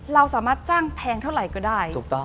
เราสามารถจ้างแพงเท่าไหร่ก็ได้